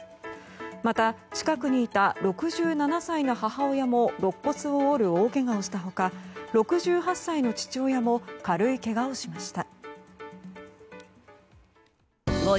また、近くにいた６７歳の母親も肋骨を折る大けがをした他６８歳の父親も軽いけがをしました。